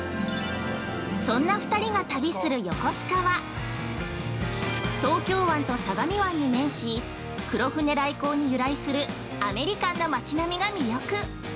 ◆そんな２人が旅する横須賀は東京湾と相模湾に面し黒船来航に由来するアメリカンな町並みが魅力。